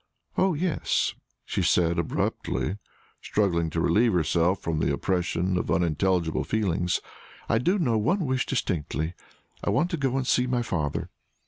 Oh, yes," she said, abruptly, struggling to relieve herself from the oppression of unintelligible feelings "I do know one wish distinctly. I want to go and see my father.